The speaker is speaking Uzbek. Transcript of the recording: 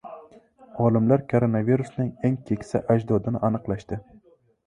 Olimlar koronavirusning eng keksa ajdodini aniqlashdi